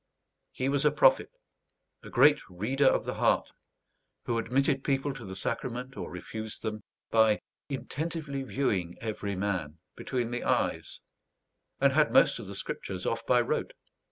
He was a prophet; a great reader of the heart, who admitted people to the sacrament, or refused them, by "intentively viewing every man" between the eyes; and had the most of the Scriptures off by rote.